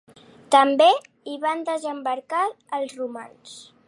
També hi van desembarcar els romans.